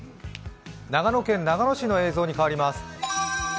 長野県長野市の映像に変わります。